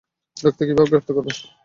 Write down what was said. Doctor কীভাবে গ্রেফতার করবে?